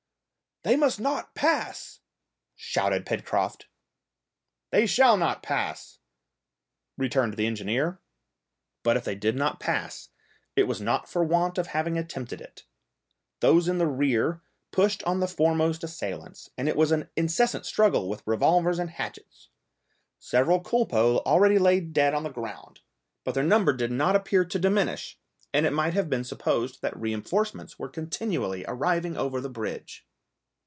"They must not pass!" shouted Pencroft. "They shall not pass!" returned the engineer. But if they did not pass it was not for want of having attempted it. Those in the rear pushed on the foremost assailants, and it was an incessant struggle with revolvers and hatchets. Several culpeux already lay dead on the ground, but their number did not appear to diminish, and it might have been supposed that reinforcements were continually arriving over the bridge.